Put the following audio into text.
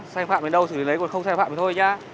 xe phạm đến đâu xử lý lấy còn không xe phạm thì thôi nha